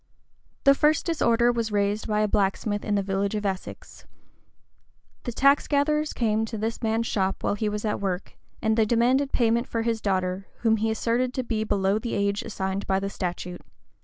The first disorder was raised by a blacksmith in a village of Essex. The tax gatherers came to this man's shop while he was at work, and they demanded payment for his daughter, whom he asserted to be below the age assigned by the statute.